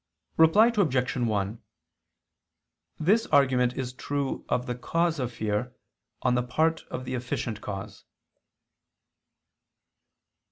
Reply Obj. 1: This argument is true of the cause of fear, on the part of the efficient cause.